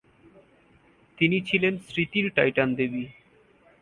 তিনি ছিলেন স্মৃতির টাইটান দেবী।